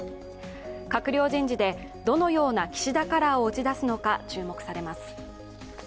閣僚人事でどのような岸田カラーを打ち出すのか注目されます。